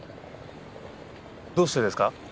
どうしてですか？